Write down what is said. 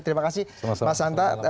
terima kasih mas anta